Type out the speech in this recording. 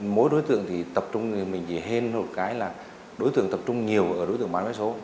mỗi đối tượng thì tập trung mình gì hơn một cái là đối tượng tập trung nhiều ở đối tượng bán vé số